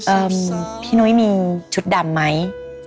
พี่นุ้ยมีชุดดำไหม